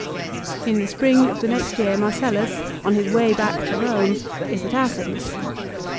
In the spring of the next year Marcellus, on his way back to Rome, is at Athens.